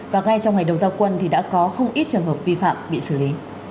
và ngay trong ngày đầu giao quân thì đã có không ít trường hợp vi phạm bị xử lý